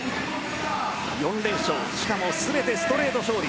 ４連勝しかも全てストレート勝利。